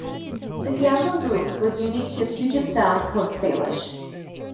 The gambrel roof was unique to Puget Sound Coast Salish.